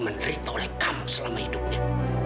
menderita oleh kamu selama hidupnya